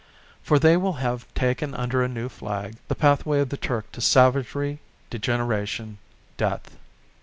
For they will have taken under a new flag, the pathway of the Turk to savagery, degeneration, death.